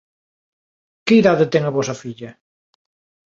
Que idade ten a vosa filla?